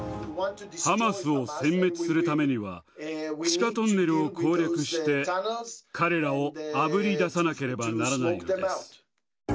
ハマスをせん滅するためには、地下トンネルを攻略して、彼らをあぶり出さなければならないのです。